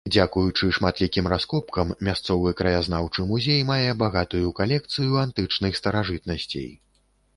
Дзякуючы шматлікім раскопкам, мясцовы краязнаўчы музей мае багатую калекцыяю антычных старажытнасцей.